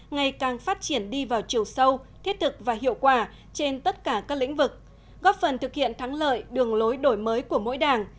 ngày càng phát triển đi vào chiều sâu thiết thực và hiệu quả trên tất cả các lĩnh vực góp phần thực hiện thắng lợi đường lối đổi mới của mỗi đảng